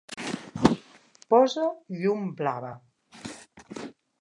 Posa llum blava.